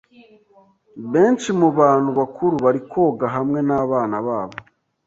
Benshi mubantu bakuru bari koga hamwe nabana babo.